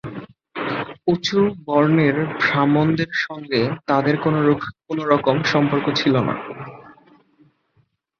উঁচু বর্ণের ব্রাহ্মণদের সঙ্গে তাঁদের কোনরকম সম্পর্ক ছিল না।